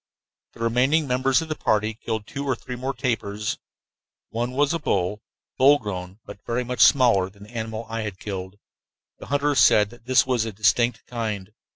The remaining members of the party killed two or three more tapirs. One was a bull, full grown but very much smaller than the animal I had killed. The hunters said that this was a distinct kind.